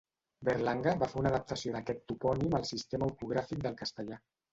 Berlanga va fer una adaptació d'aquest topònim al sistema ortogràfic del castellà.